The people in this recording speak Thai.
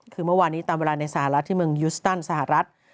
คือเมื่อวานนี้ตามเวลาในสหรัฐที่เมืองยูสตันสหรัฐ